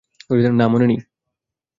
না, মনে নেই।